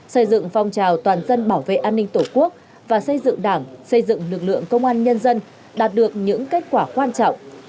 xây dựng phong trào toàn dân bảo vệ an ninh tổ quốc và xây dựng đảng xây dựng lực lượng công an nhân dân đạt được những kết quả quan trọng